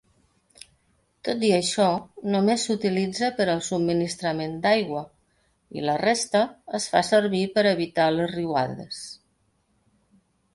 Tot i això, només s'utilitza per al subministrament d'aigua i la resta es fa servir per evitar les riuades.